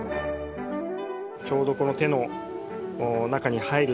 ちょうどこの手の中に入るサイズ。